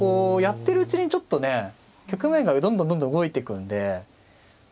やってるうちにちょっとね局面がどんどんどんどん動いていくんで。